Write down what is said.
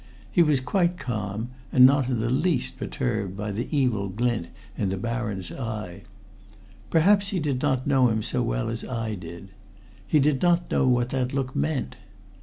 He was quite calm, and not in the least perturbed by the evil glint in the Baron's eye. Perhaps he did not know him so well as I did. He did not know what that look meant.